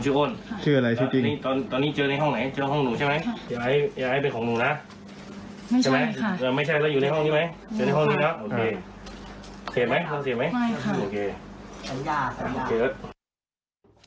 อยู่ในห้องนี้ครับโอเคเสียบไหมเสียบไหมไม่ค่ะโอเคสัญญาสัญญา